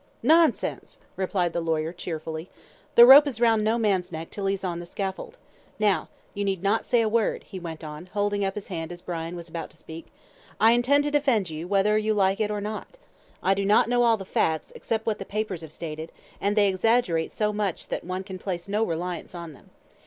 "Nonsense," replied the lawyer, cheerfully, "the rope is round no man's neck until he is on the scaffold. Now, you need not say a word," he went on, holding up his hand as Brian was about to speak; "I intend to defend you, whether you like it or not. I do not know all the facts, except what the papers have stated, and they exaggerate so much that one can place no reliance on them.